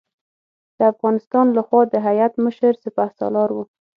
د افغانستان له خوا د هیات مشر سپه سالار و.